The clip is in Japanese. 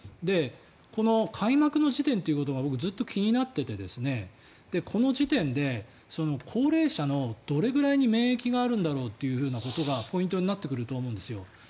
この開幕の時点ということが僕はずっと気になっていてこの時点で高齢者のどれくらいに免疫があるんだろうってことがポイントになってくると思うんですよ。